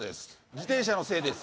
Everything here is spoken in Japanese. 自転車のせいです